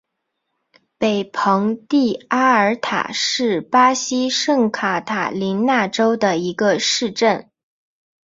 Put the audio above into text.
北蓬蒂阿尔塔是巴西圣卡塔琳娜州的一个市镇。